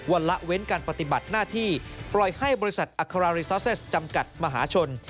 ละเว้นการปฏิบัติหน้าที่ปล่อยให้บริษัทอัคราริซาเซสจำกัดมหาชน